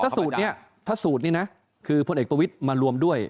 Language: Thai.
ถ้าสูตรนี้พลเอกบริษกิจมารวมด้วย